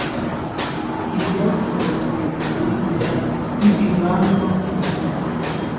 ibyasohotse bikurikira ntibivanwa mu nyungu